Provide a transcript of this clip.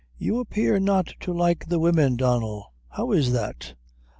"You appear not to like the women, Donnel; how is that?"